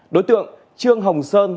đối tượng trương hồng sơn